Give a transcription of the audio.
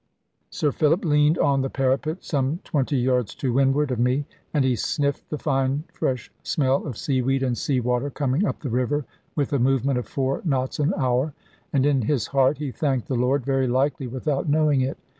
Sir Philip leaned on the parapet some twenty yards to windward of me, and he sniffed the fine fresh smell of sea weed and sea water coming up the river with a movement of four knots an hour. And in his heart he thanked the Lord, very likely without knowing it.